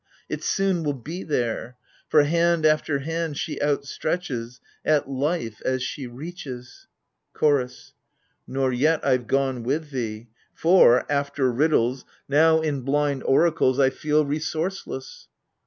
It soon will be there : For hand after hand she outstretches, At life as she reaches ! CHORDS. Nor yet I've gone with thee ! for — after riddles — Now, in blind oracles, I feel resourceless.